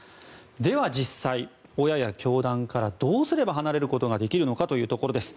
では、実際、親や教団からどうすれば離れることができるのかというところです。